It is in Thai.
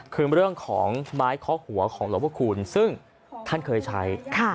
คือไม้เคาะหัวของหลวงพกคูณซึ่งท่านเคยใช้